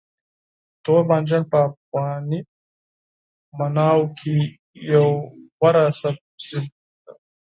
توربانجان په افغاني پخلنځي کې یو غوره سبزی دی.